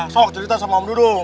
sok cerita sama om dudung